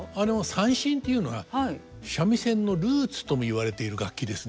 三線っていうのは三味線のルーツとも言われている楽器ですね。